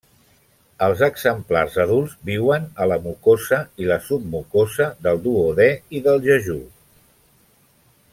Els exemplars adults viuen a la mucosa i la submucosa del duodè i del jejú.